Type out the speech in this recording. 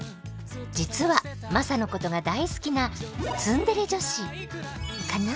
実はマサのことが大好きなツンデレ女子カナ？